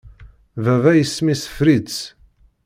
Baba, isem-is Fritz.